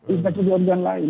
infeksi di organ lain